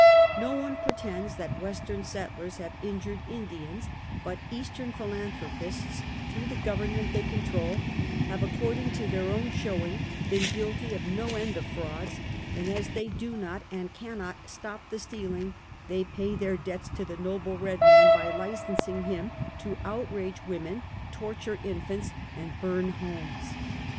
'No one pretends that Western settlers have injured Indians, but Eastern philanthropists, through the gov ernment they control, have, according to their own showing, been guilty of no end of frauds; and as they do not, and cannot, stop the stealing, they pay their debts to the noble red man by licensing him to out rage women, torture infants and burn homes.